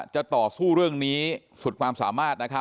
จะต่อสู้เรื่องนี้สุดความสามารถ